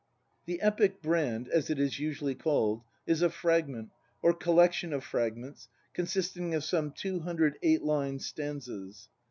The epic Brand, as it is usually called, is a fragment, or collection of fragments, consisting of some two hundred eight line stanzas.